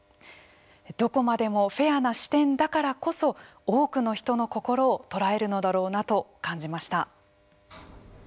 どこまでもフェアな視点だからこそ多くの人の心を捉えるのだろうなと感じました。